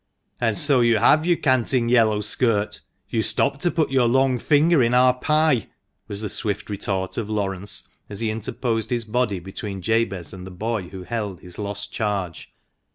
"And so you have, you canting yellow skirt. You stopped to put your long finger in our pie!" was the swift retort of Laurence, as he interposed his body between Jabez and the boy who held his lost charge.